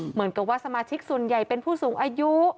เหมือนกับว่าสมาชิกส่วนใหญ่เป็นผู้สูงอายุ